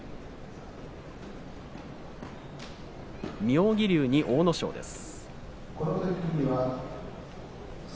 妙義龍に阿武咲です。